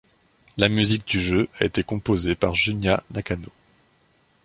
La musique du jeu a été composée par Junya Nakano.